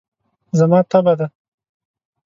زما تبه ده.